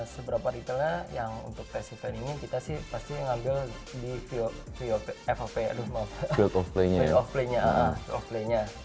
seberapa detailnya yang untuk tes event ini kita sih pasti ngambil di field of play nya